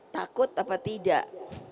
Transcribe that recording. takut apa tidak